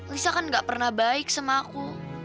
lisa kan gak pernah baik sama aku